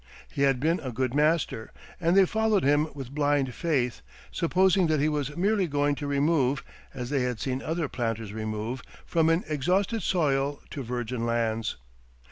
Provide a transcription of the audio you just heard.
He had been a good master, and they followed him with blind faith, supposing that he was merely going to remove, as they had seen other planters remove, from an exhausted soil to virgin lands.